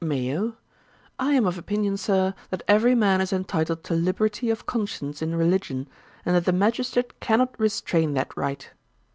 MAYO. 'I am of opinion, Sir, that every man is entitled to liberty of conscience in religion; and that the magistrate cannot restrain that right.'